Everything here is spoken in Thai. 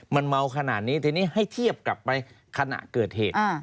มันเมาขนาดนี้ทีนี้ให้เทียบกลับไปขณะเกิดเหตุ